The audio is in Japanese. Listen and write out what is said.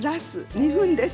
２分です。